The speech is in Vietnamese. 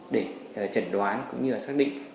để chẩn đoán cũng như là xác định mức độ